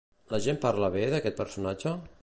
La gent parla bé d'aquest personatge?